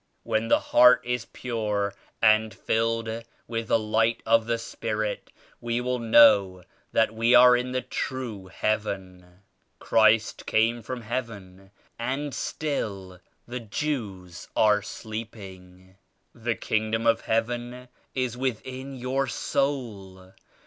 '' "When the heart is pure and filled with the light of the Spirit, we will know that we are in the true ^Heaven.' Christ came from Heaven and still the Jews are sleeping. The Kingdom of Heaven is within your soul.